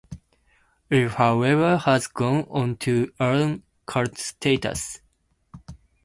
It however has gone on to earn cult status.